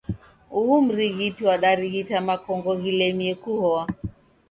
Uhu mrighiti wadarighita makongo ghilemie kuhoa.